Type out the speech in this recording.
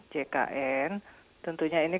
jkn tentunya ini